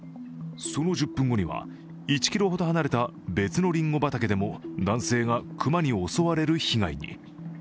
その１０分後には１ｋｍほど離れた別のりんご畑でも男性が熊に襲われる被害に。